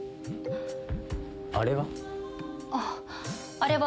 あれは？